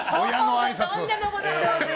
とんでもございません。